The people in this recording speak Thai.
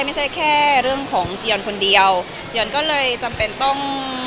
ไม่ใช่แค่เรื่องของเจียนคนเดียวเจียนก็เลยจำเป็นต้อง